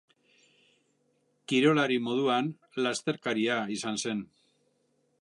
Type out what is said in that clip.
Kirolari moduan lasterkaria izan zen.